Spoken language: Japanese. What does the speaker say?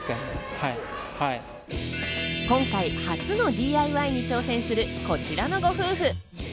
今回、初のＤＩＹに挑戦するこちらのご夫婦。